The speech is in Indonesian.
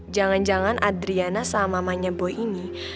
jangan jangan adriana sama mamanya boy ini